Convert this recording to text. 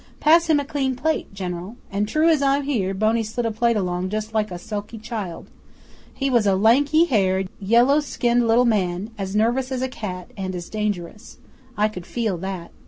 Pass him a clean plate, General." And, as true as I'm here, Boney slid a plate along just like a sulky child. He was a lanky haired, yellow skinned little man, as nervous as a cat and as dangerous. I could feel that.